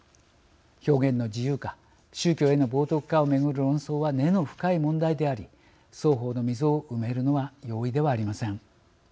表現の自由か宗教への冒とくかを巡る論争は根の深い問題であり双方の溝を埋めるのは容易ではありません。